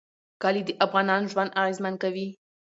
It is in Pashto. کلي د افغانانو ژوند اغېزمن کوي.